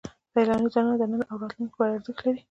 سیلاني ځایونه د نن او راتلونکي لپاره ارزښت لري.